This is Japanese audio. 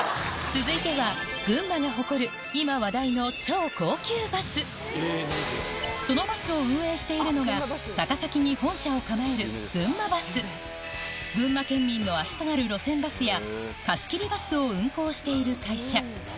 続いてはそのバスを運営しているのが高崎に本社を構えるとなる路線バスや貸し切りバスを運行している会社